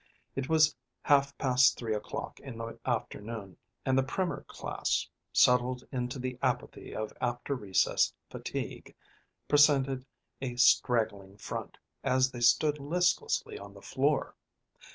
It was half past three o'clock in the afternoon, and the primer class, settled into the apathy of after recess fatigue, presented a straggling front, as they stood listlessly on the floor.